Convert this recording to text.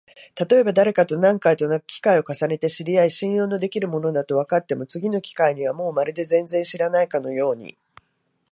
たとえばだれかと何回となく機会を重ねて知り合い、信用のできる者だとわかっても、次の機会にはもうまるで全然知らないかのように、